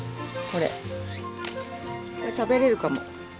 これ食べれるかも。